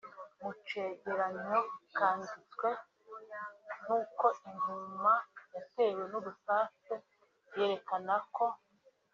Mu cegeranyo canditswe nuko inguma yatewe n'urusase yerekana ko